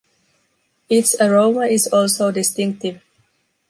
Its aroma is also distinctive.